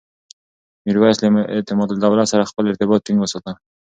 میرویس له اعتمادالدولة سره خپل ارتباط ټینګ وساته.